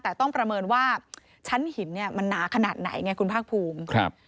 แต่ต้องประเมินว่าชั้นหินเนี่ยมันหนาขนาดไหนไงคุณภาคภูมิครับ